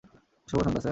শুভ সন্ধ্যা স্যার।